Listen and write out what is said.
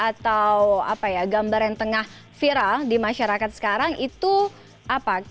atau apa ya gambar yang tengah viral di masyarakat sekarang itu apa